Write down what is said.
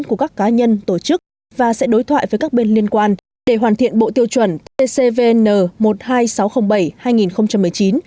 của các cá nhân tổ chức và sẽ đối thoại với các bên liên quan để hoàn thiện bộ tiêu chuẩn tcvn một mươi hai nghìn sáu trăm linh bảy hai nghìn một mươi chín